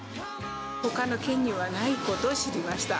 ほかの県にはないことを知りました。